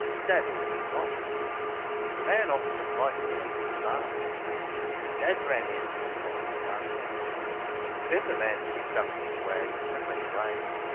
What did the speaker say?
Dad ordered him off. The man offered to fight Dad for the barn. Dad ran in and got the gun. Then the man picked up his swag and went away.